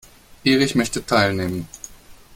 Erich möchte teilnehmen.